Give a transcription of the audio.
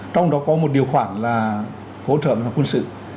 trong đó có một điều khoản là hỗ trợ về quân sự